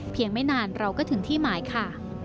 ไม่นานเราก็ถึงที่หมายค่ะ